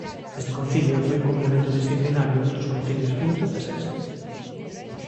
Este concilio foi un complemento disciplinario dos concilios quinto e sexto.